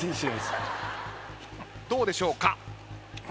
どうでしょうか？